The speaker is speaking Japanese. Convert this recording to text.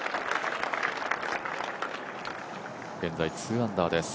現在２アンダーです。